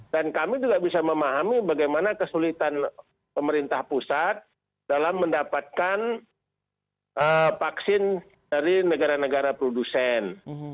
dan kami juga bisa memahami bagaimana kesulitan pemerintah pusat dalam mendapatkan vaksin dari negara negara produsen